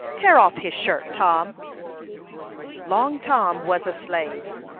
Tear off his shirt, Tom!" Long Tom was a slave.